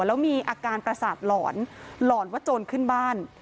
แล้วมีอาการประสาทหลอนหลอนว่าโจรขึ้นบ้าน